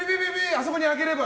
あそこに上げれば！